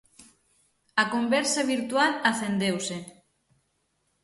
A conversa virtual acendeuse.